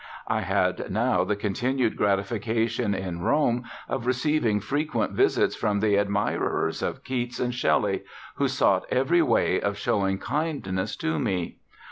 I had now the continued gratification in Rome of receiving frequent visits from the admirers of Keats and Shelley, who sought every way of showing kindness to me.